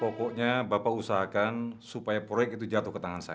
pokoknya bapak usahakan supaya proyek itu jatuh ke tangan saya